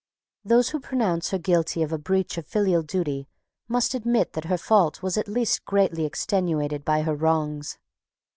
Those who pronounce her guilty of a breach of filial duty must admit that her fault was at least greatly extenuated by her wrongs.